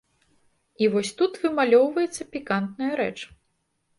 І вось тут вымалёўваецца пікантная рэч.